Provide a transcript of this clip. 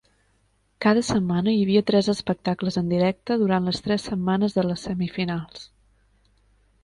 Cada setmana hi havia tres espectacles en directe durant les tres setmanes de les semifinals.